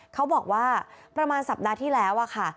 เขาบอกว่าประมาณสัปดาห์ที่แล้วค่ะ